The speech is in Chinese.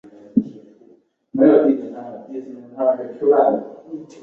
鲨齿龙科是群大型肉食性兽脚亚目恐龙。